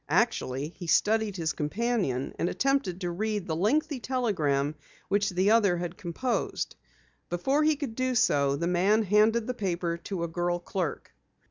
Actually, he studied his companion, and attempted to read the lengthy telegram which the other had composed. Before he could do so, the man handed the paper to a girl clerk.